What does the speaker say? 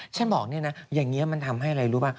ฉันบอกอย่างนี้มันทำให้อะไรรู้ป่ะ